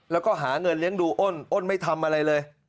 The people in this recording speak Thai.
แล้วก็หาเงินเลี้ยงดูอ้นอ้นไม่ทำอะไรเลย